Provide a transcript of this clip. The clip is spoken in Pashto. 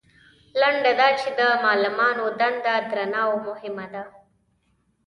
لنډه دا چې د معلمانو دنده درنه او مهمه ده.